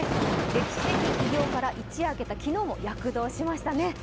歴史的偉業から一夜明けた昨日も躍動しましたね。